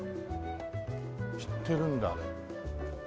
知ってるんだあれ。